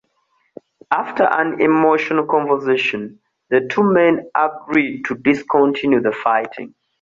After an emotional conversation, the two men agree to discontinue the fighting.